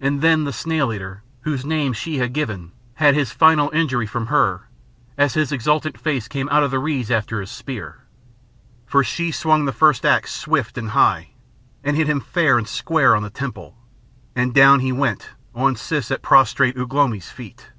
And then the Snail eater, whose name she had given, had his final injury from her, as his exultant face came out of the reeds after his spear. For she swung the first axe swift and high, and hit him fair and square on the temple; and down he went on Siss at prostrate Ugh lomi's feet.